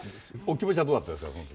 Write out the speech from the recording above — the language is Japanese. お気持ちはどうだったですか？